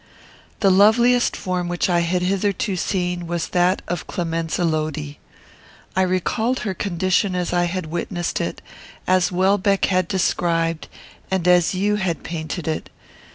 The loveliest form which I had hitherto seen was that of Clemenza Lodi. I recalled her condition as I had witnessed it, as Welbeck had described, and as you had painted it.